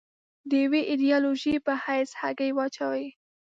د یوې ایدیالوژۍ په حیث هګۍ واچوي.